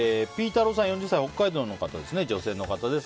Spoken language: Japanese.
４０歳、北海道の女性の方です。